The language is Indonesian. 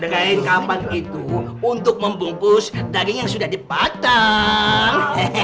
dengarin kapan itu untuk membungkus daging yang sudah dipotong